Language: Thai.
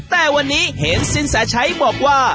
แต่วันนี้เห็นสินแสชัยบอกว่า